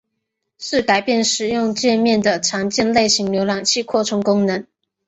是改变使用介面的常见类型浏览器扩充功能。